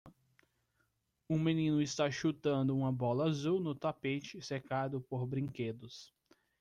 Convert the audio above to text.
Um menino está chutando uma bola azul no tapete cercado por brinquedos.